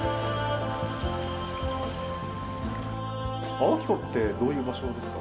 青木湖ってどういう場所ですか？